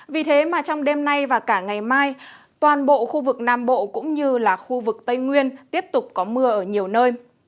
vì thế mà trong đêm nay và cả ngày mai toàn bộ khu vực nam bộ cũng như là khu vực tây nguyên tiếp tục có mưa ở nhiều nơi